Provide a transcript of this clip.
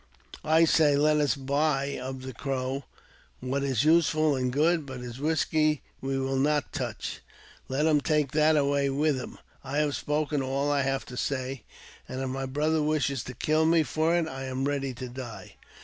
I " I say, let us buy of the Crow what is useful and good, but his whisky we will not touch ; let him take that away with him. I have spoken all I have to say, and if my brother wishes to kill me for it, I am ready to die.